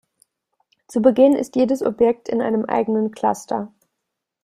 Zu Beginn ist jedes Objekt in einem eigenen Cluster.